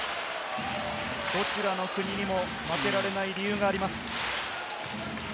どちらの国にも負けられない理由があります。